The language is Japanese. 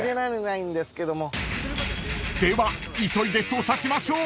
［では急いで捜査しましょう］